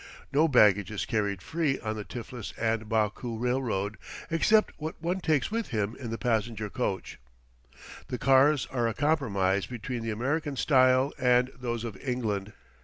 No baggage is carried free on the Tiflis & Baku Railroad except what one takes with him in the passenger coach. The cars are a compromise between the American style and those of England.